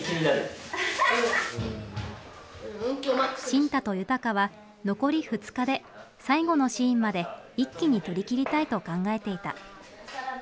新太と悠鷹は残り２日で最後のシーンまで一気に撮りきりたいと考えていた。